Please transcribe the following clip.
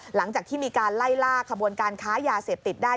หลังจากที่มีการไล่ล่าขบวนการค้ายาเสพติดได้